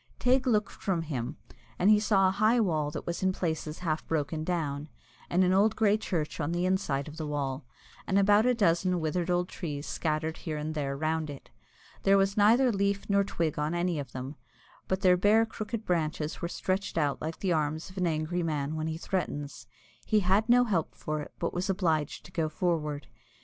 Teig looked from him, and he saw a high wall that was in places half broken down, and an old grey church on the inside of the wall, and about a dozen withered old trees scattered here and there round it. There was neither leaf nor twig on any of them, but their bare crooked branches were stretched out like the arms of an angry man when he threatens. He had no help for it, but was obliged to go forward.